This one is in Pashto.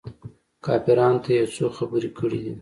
کافرانو ته يې يو څو خبرې کړي دي.